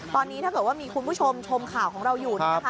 ตอนนี้ถ้าเกิดว่ามีคุณผู้ชมชมข่าวของเราอยู่